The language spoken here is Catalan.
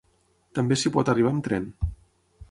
També s'hi pot arribar amb tren.